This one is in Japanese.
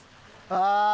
ああ！